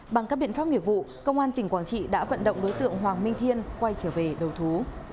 bằng các biện pháp nghiệp vụ công an tỉnh quảng trị đã vận động đối tượng hoàng minh thiên quay trở về đầu thú